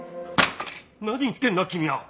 何言ってんだ君は！